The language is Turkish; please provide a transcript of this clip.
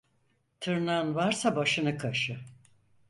Tırnağın varsa başını kaşı.